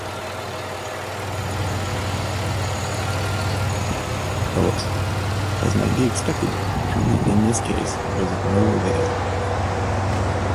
As might be expected, treatment in this case was of no avail.